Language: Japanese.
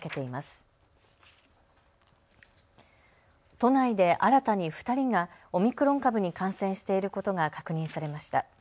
都内で新たに２人がオミクロン株に感染していることが確認されました。